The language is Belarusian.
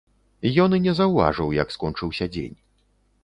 Ён і не заўважыў, як скончыўся дзень.